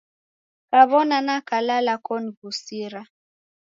Kaw'ona nakalala koniw'usira.